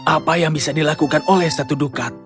apa yang bisa dilakukan oleh satu dukat